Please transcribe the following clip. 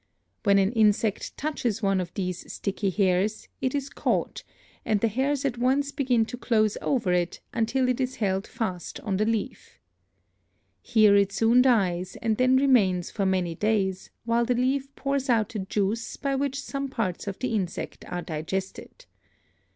When an insect touches one of these sticky hairs it is caught and the hairs at once begin to close over it until it is held fast on the leaf. Here it soon dies and then remains for many days, while the leaf pours out a juice by which some parts of the insect are digested.